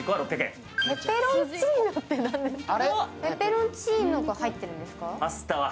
ペペロンチーノって何ですか。